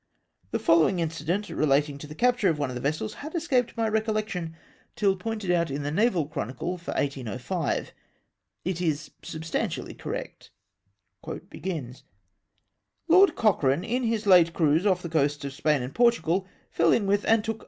The following incident relating to the capture of one of the vessels had escaped my recollection, till pointed out in the Naval Chronicle for 1805. It is substan tially correct. "Lord Cochrane, in his late cruise off the coasts of Spain and Portugal, fell in with, and took.